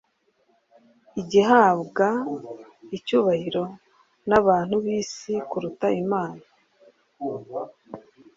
igihabwa icyubahiro n Abantu b isi kuruta IMANA